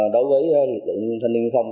đối với lực lượng thanh niên viên phòng